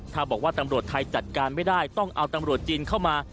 ถ้าบอกว่าตำรวจไทยจัดการไม่ได้ต้องเอาตำรวจจีนเข้ามา